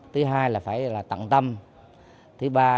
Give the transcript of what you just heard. thứ hai là phải tự nhiên thứ ba là phải tự nhiên thứ ba là phải tự nhiên